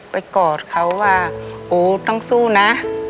กอดเขาว่าโอ้ต้องสู้นะ